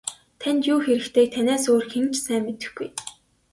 Танд юу хэрэгтэйг танаас өөр хэн ч сайн мэдэхгүй.